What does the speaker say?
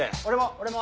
俺も！